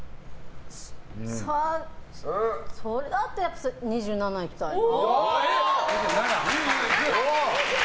それだったら２７いきたいな。